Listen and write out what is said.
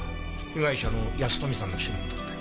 被害者の保富さんの指紋だったよ。